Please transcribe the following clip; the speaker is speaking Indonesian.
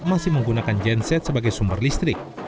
masih menggunakan genset sebagai sumber listrik